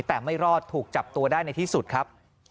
แต่ไม่รอดถูกจับตัวได้ในที่สุดครับ